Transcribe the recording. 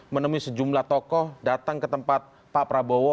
menemui sejumlah tokoh datang ke tempat pak prabowo